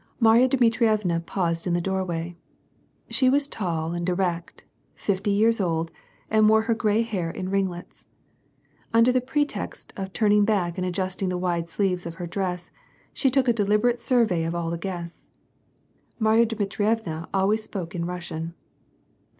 Marya Dmitrievna paused in the doorway. She was tall and erect, fifty years old, and wore her gray hair in ringlets. Under the pretext of turning back and adjusting the wide sleeves of her dress, she took a deliberate survey of all the guests. Marya Dmitrievna always spoke in Russian.